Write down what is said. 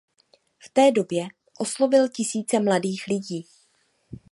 V té době oslovil tisíce mladých lidí.